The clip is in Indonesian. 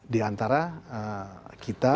di antara kita